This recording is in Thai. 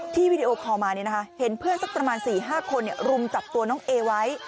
วีดีโอคอลมาเห็นเพื่อนสักประมาณ๔๕คนรุมจับตัวน้องเอไว้